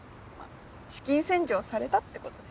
資金洗浄されたってことで。